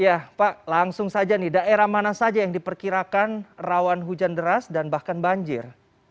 ya pak langsung saja nih daerah mana saja yang diperkirakan rawan hujan deras dan bahkan banjir